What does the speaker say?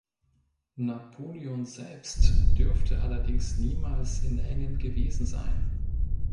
Napoleon selbst dürfte allerdings niemals in Engen gewesen sein.